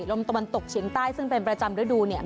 ลมตะวันตกเฉียงใต้ซึ่งเป็นประจำฤดูเนี่ย